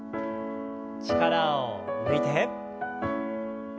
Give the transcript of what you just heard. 力を抜いて。